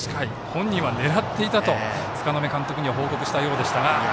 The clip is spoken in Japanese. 本人は狙っていたと柄目監督に報告したようですが。